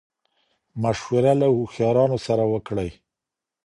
مشوره له هوښيارانو سره وکړئ.